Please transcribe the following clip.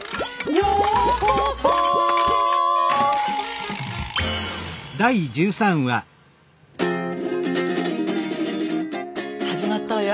「ようこそ」始まったわよ。